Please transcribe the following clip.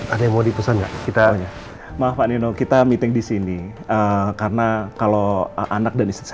ada yang mau dipesan kita maaf pak nino kita meeting disini karena kalau anak dan istri